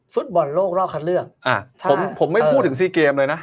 ฟุตบอลโลกรอขลาดเลือก